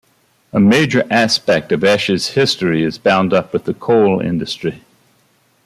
A major aspect of Esh's history is bound up with the coal industry.